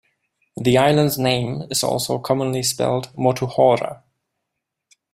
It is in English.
The island's name is also commonly spelt "Motuhora".